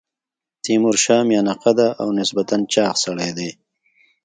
تیمور میانه قده او نسبتا چاغ سړی دی.